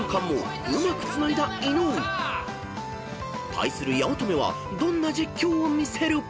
［対する八乙女はどんな実況を見せる？］